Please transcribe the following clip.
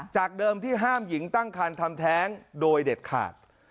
จากเดิมที่ห้ามหญิงตั้งคันทำแท้งโดยเด็ดขาด